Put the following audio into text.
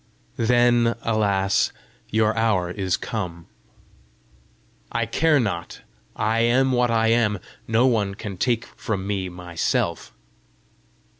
"Then, alas, your hour is come!" "I care not. I am what I am; no one can take from me myself!"